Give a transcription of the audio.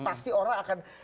pasti orang akan